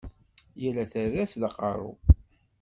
Yal aterras d aqeṛṛu.